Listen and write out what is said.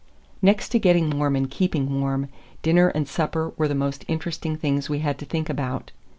Next to getting warm and keeping warm, dinner and supper were the most interesting things we had to think about.